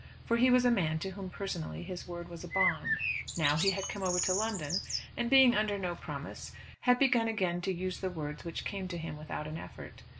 For he was a man to whom personally his word was a bond. Now he had come over to London, and being under no promise, had begun again to use the words which came to him without an effort.